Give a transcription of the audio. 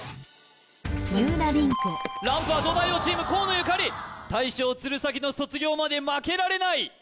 ランプは東大王チーム河野ゆかり大将鶴崎の卒業まで負けられない！